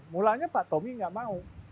mulanya pak tommy nggak mau